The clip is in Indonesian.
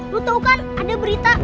lo tau kan ada berita